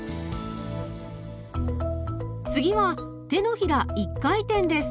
次は手のひら一回転です。